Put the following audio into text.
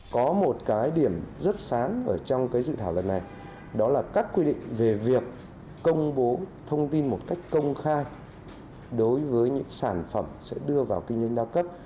có một cái điểm rất sáng ở trong cái dự thảo lần này đó là các quy định về việc công bố thông tin một cách công khai đối với những sản phẩm sẽ đưa vào kinh doanh đa cấp